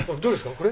これ？